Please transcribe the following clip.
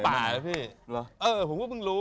ผมก็เพิ่งรู้